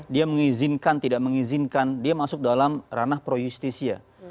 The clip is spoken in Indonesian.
dia mengizinkan tidak mengizinkan dia masuk dalam ranah proyustisia